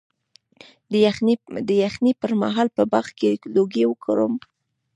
د یخنۍ پر مهال په باغ کې لوګی وکړم؟